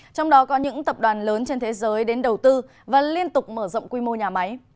trong đó có những tập đoàn lớn trên thế giới đến đầu tư và liên tục mở rộng quy mô nhà máy